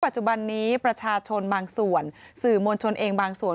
จุบันนี้ประชาชนบางส่วนสื่อมวลชนเองบางส่วน